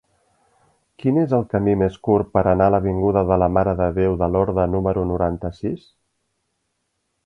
Quin és el camí més curt per anar a l'avinguda de la Mare de Déu de Lorda número noranta-sis?